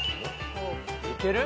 いける？